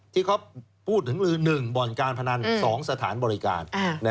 ที่เขาพูดถึงลือ๑บ่อนการพนัน๒สถานบริการ